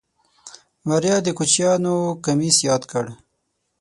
ماريا د کوچيانو کميس ياد کړ.